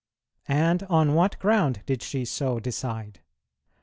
And on what ground did she so decide?